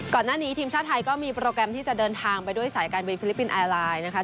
ก่อนหน้านี้ทีมชาติไทยก็มีโปรแกรมที่จะเดินทางไปด้วยสายการบินฟิลิปปินส์แอร์ไลน์นะคะ